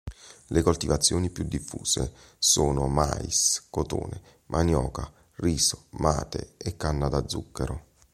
Le coltivazioni più diffuse sono mais, cotone, manioca, riso, mate e canna da zucchero.